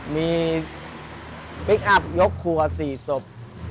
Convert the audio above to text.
มีพลิกอัพยกครัว๔ศพ